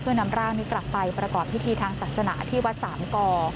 นำร่างนี้กลับไปประกอบพิธีทางศาสนาที่วัดสามก่อ